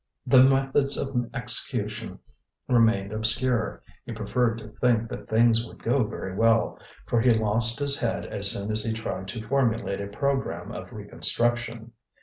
The methods of execution remained obscure; he preferred to think that things would go very well, for he lost his head as soon as he tried to formulate a programme of reconstruction.